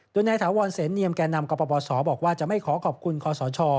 โดยนายถาวรเสนเนียมแก่นำกปศบอกว่าจะไม่ขอขอบคุณคอสช